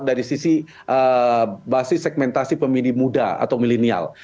dari sisi basis segmentasi pemilih muda atau milenial